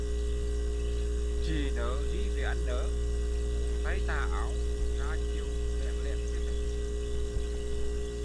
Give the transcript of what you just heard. Chị nớ đi với anh nớ, cuốn tay tà áo, ra chiều bẽn lẽn